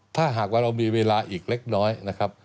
ถ้าหากว่าเรามีเวลาอีกเล็กน้อยนะครับ